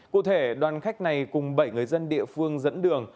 cụ thể đoàn khách này cùng bảy người dân địa phương dẫn đường